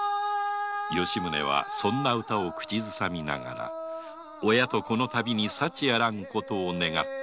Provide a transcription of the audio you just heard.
吉宗はそんな歌を口ずさみながら親と子の旅に幸あらん事を願った